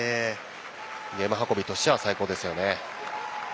ゲーム運びとしては最高ですよね。